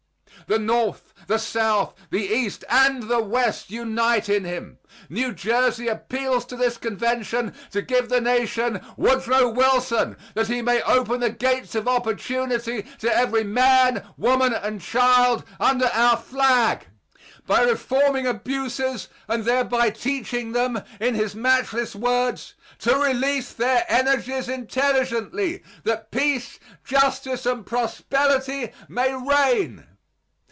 The North, the South, the East, and the West unite in him. New Jersey appeals to this convention to give the nation Woodrow Wilson, that he may open the gates of opportunity to every man, woman, and child under our flag, by reforming abuses, and thereby teaching them, in his matchless words, "to release their energies intelligently, that peace, justice and prosperity may reign."